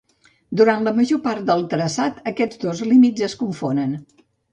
Durant la major part del traçat, aquests dos límits es confonen.